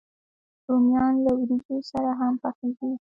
رومیان له وریجو سره هم پخېږي